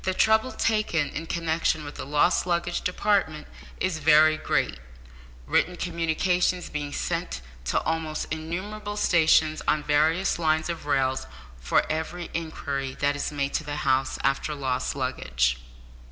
The trouble taken in connexion with the lost luggage department is very great; written communications being sent to almost innumerable stations on various lines of rails for every inquiry that is made to the House after lost luggage.